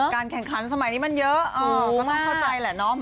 แข่งขันสมัยนี้มันเยอะก็ต้องเข้าใจแหละเนาะ